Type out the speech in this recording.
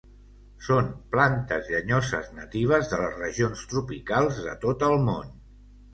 Són plantes llenyoses natives de les regions tropicals de tot el món.